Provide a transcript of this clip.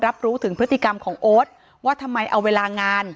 รับรู้ถึงพฤติกรรมของโอ๊ตว่าทำไมเอาเวลางาน